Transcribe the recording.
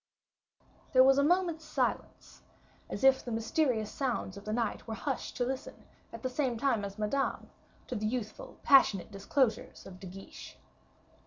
There was a moment's silence, as if the mysterious sounds of night were hushed to listen, at the same time as Madame, to the youthful passionate disclosures of De Guiche.